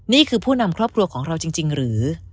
นี่คือผู้นำครอบครัวของเราจริงหรือ